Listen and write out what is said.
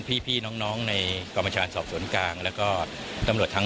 พี่พี่น้องน้องในกรมชาญศศวนกลางแล้วก็น้ำรวชทาง